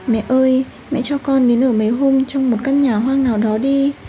mẹ ơi mẹ cho con đến ở mấy hôm trong một căn nhà hoang nào đó đi